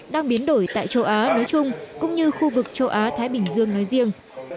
đang biến đổi tại châu á nói chung cũng như khu vực châu á thái bình dương nói riêng